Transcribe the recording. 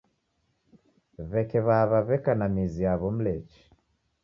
W'eke w'aw'a w'eka na mizi yaw'o Mlechi.